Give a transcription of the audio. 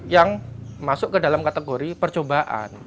yang masuk ke dalam kategori percobaan